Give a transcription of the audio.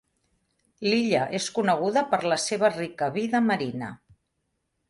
L'illa és coneguda per la seva rica vida marina.